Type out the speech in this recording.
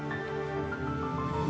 aku mau pergi ke tempat yang sama